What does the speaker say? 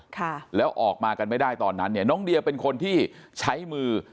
ค่ะแล้วออกมากันไม่ได้ตอนนั้นเนี่ยน้องเดียเป็นคนที่ใช้มือ